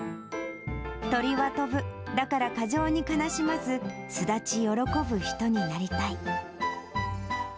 鳥は飛ぶだから過剰に悲しまず巣立ち喜ぶ人になりたい。